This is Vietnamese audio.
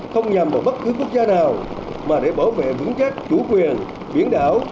không nhằm vào bất cứ quốc gia nào mà để bảo vệ vững chắc chủ quyền biển đảo